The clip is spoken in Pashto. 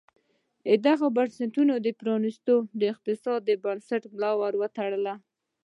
دغو بنسټونو پرانیستو اقتصادي بنسټونو ملا ور وتړله.